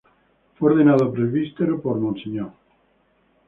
Fue ordenado presbítero por Mons.